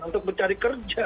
untuk mencari kerja